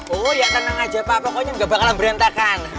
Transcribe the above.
oh ya tenang aja pak pokoknya nggak bakalan berantakan